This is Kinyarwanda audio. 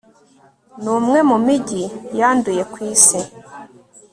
ni umwe mu mijyi yanduye ku isi